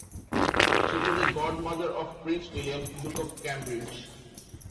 She is a godmother of Prince William, Duke of Cambridge.